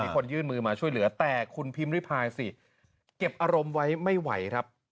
คนยื่นมือมาช่วยเหลือแต่คุณพิมพ์ริพายสิเก็บอารมณ์ไว้ไม่ไหวครับ